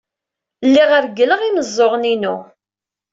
Lliɣ reggleɣ imeẓẓuɣen-inu.